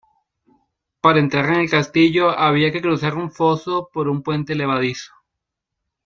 Para entrar en el castillo había que cruzar un foso por un puente levadizo.